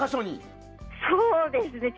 そうですね。